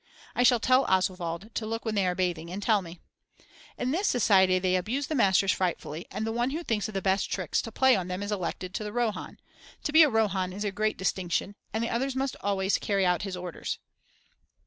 I shall tell Oswald to look when they are bathing and to tell me. In this society they abuse the masters frightfully and the one who thinks of the best tricks to play on them is elected to the Rohon; to be a Rohon is a great distinction and the others must always carry out his orders.